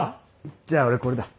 じゃあ俺これだ。